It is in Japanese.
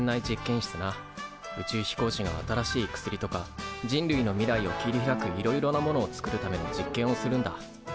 宇宙飛行士が新しい薬とか人類の未来を切り開くいろいろなものをつくるための実験をするんだ。